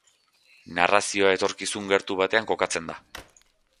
Narrazioa etorkizun gertu batean kokatzen da.